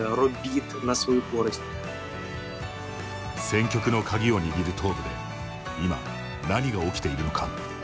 戦局の鍵を握る東部でいま、何が起きているのか。